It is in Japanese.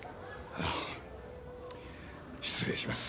あぁ失礼します。